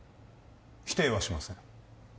否定はしません